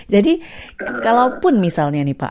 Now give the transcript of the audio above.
jadi kalaupun misalnya nih pak